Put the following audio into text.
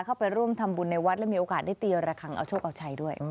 เข้าไปร่วมทำบุญในวัดและมีโอกาสได้ตีระคังเอาโชคเอาชัยด้วย